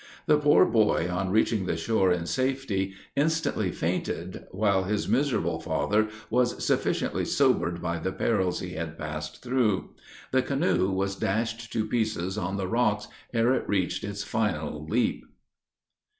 The poor boy on reaching the shore in safety, instantly fainted, while his miserable father was sufficiently sobered by the perils he had passed through. The canoe was dashed to pieces on the rocks ere it reached its final leap.